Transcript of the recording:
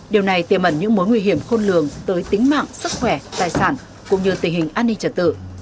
điều này tiềm ẩn những mối nguy hiểm khôn lường tới tính mạng sức khỏe tài sản cũng như tình hình an ninh trật tự